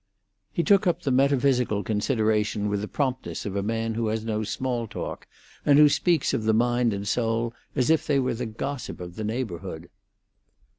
He took up the metaphysical consideration with the promptness of a man who has no small talk, and who speaks of the mind and soul as if they were the gossip of the neighbourhood.